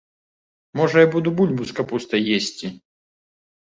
Можа, я буду бульбу з капустай есці!